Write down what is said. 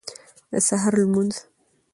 د سهار لمونځ